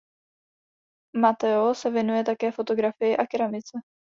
Matteo se věnuje také fotografii a keramice.